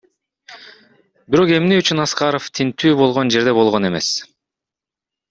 Бирок эмне үчүн Аскаров тинтүү болгон жерде болгон эмес?